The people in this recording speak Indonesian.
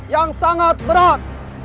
yang sangat berat